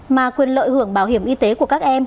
mà quyền lợi hưởng bảo hiểm y tế của các em